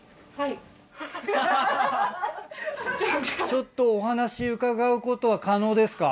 ちょっとお話伺うことは可能ですか？